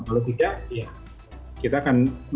kalau tidak ya